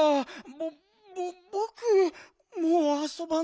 ぼぼぼくもうあそばない。